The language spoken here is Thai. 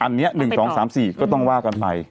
อันนี้๑๒๓๔ก็ต้องว่ากันไป